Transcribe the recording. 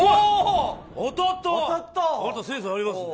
あなたセンスありますね。